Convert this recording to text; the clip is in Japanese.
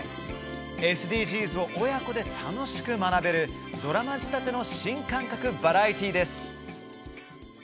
ＳＤＧｓを親子で楽しく学べるドラマ仕立ての新感覚バラエティーです。